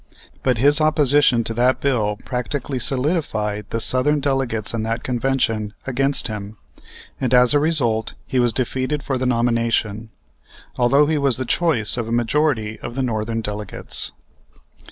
But his opposition to that bill practically solidified the Southern delegates in that convention against him, and as a result he was defeated for the nomination, although he was the choice of a majority of the Northern delegates.